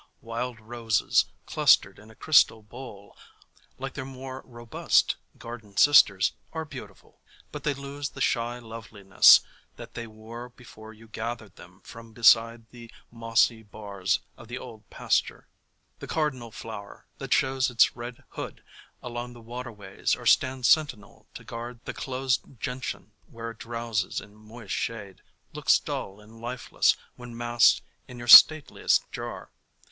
Wild Roses clustered in a crystal bowl, like their more robust garden sisters, are beautiful, but they lose the shy loveliness that they wore before you gathered them from beside the mossy bars of the old pasture. The Cardinal Flower, that shows its red hood along the waterways or stands sentinel to guard the Closed Gentian where it drowses in moist shade, looks dull and lifeless when massed Vlll INVITATION in your stateliest jar.